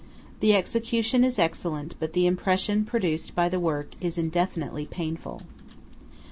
The execution is excellent, but the impression produced by the work is infinitely painful.